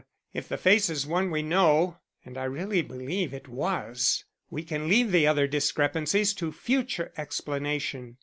If the face is one we know (and I really believe it was), we can leave the other discrepancies to future explanation."